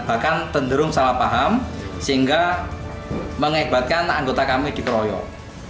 bahkan tenderung salah paham sehingga mengekbatkan anggota kami dikeroyok